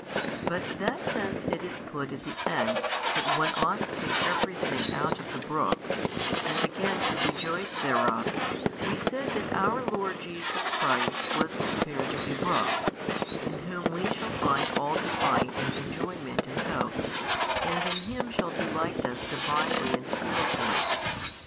But that since it is put at the end that one ought to take every thing out of the brook, and again to rejoice thereof, we said that our Lord Jesus Christ was compared to a brook, in Whom we shall find all delight and enjoyment in hope, and in Him shall delight us Divinely and spiritually.